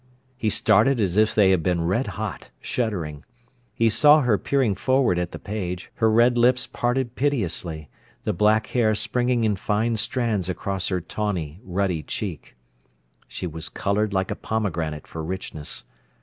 He started as if they had been red hot, shuddering. He saw her peering forward at the page, her red lips parted piteously, the black hair springing in fine strands across her tawny, ruddy cheek. She was coloured like a pomegranate for richness.